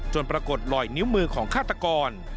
ปรากฏลอยนิ้วมือของฆาตกร